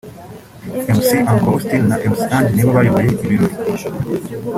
Mc Uncle Austin na Mc Ange nibo bayoboye ibirori